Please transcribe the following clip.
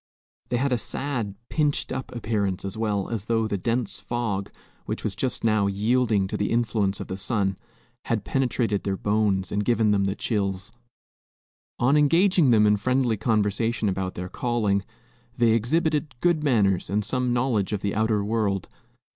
They had a sad, pinched up appearance as well, as though the dense fog, which was but just now yielding to the influence of the sun, had penetrated their bones and given them the chills. On engaging them in friendly conversation about their calling, they exhibited good manners and some knowledge of the outer world.